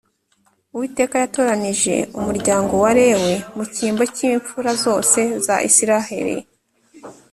Uwiteka yatoranije umuryango wa Lewi mu cyimbo cy’imfura zose za Isiraheli